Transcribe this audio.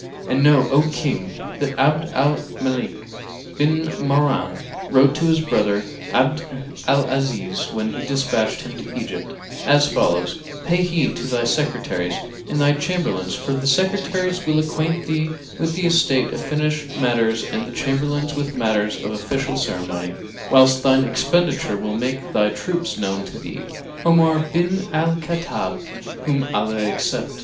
And know, O King, that Abd al Malik bin Marwán wrote to his brother Abd al Azíz, when he despatched him to Egypt, as follows, 'Pay heed to thy Secretaries and thy Chamberlains, for the Secretaries will acquaint thee with estate fished matters and the Chamberlains with matters of official ceremony, whilst thine expenditure will make thy troops known to thee.' Omar bin Al Khattáb[FN#263] (whom Allah accept!)